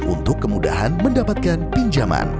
untuk kemudahan mendapatkan pinjaman